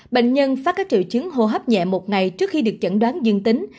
bệnh nhân phát các triệu chứng hô hấp nhẹ một ngày trước khi được chẩn đoán dương tính